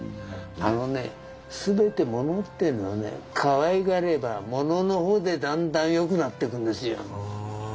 あのねすべて物っていうのはねかわいがれば物のほうでだんだんよくなってくるんですよ。